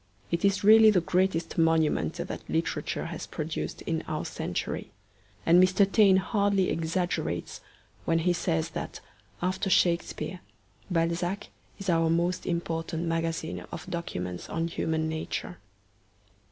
It is really the greatest monument that literature has produced in our century, and M. Taine hardly exaggerates when he says that, after Shakespeare, Balzac is our most important magazine of documents on human nature.